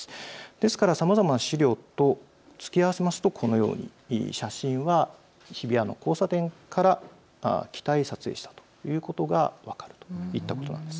ですからさまざまな資料とつきあわせますとこのように写真は日比谷の交差点から北へ撮影したものということが分かるといったことなんです。